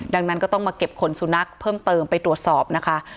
ดังนั้นก็ต้องมาเก็บขนสุนัขเพิ่มเติมไปตรวจสอบนะคะ